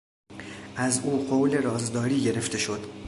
از او قول رازداری گرفته شد.